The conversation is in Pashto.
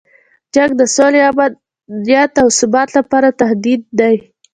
جنګ د سولې، امنیت او ثبات لپاره تهدید دی.